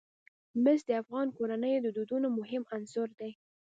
مس د افغان کورنیو د دودونو مهم عنصر دی.